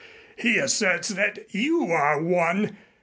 He asserts that you are one.